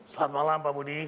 selamat malam pak budi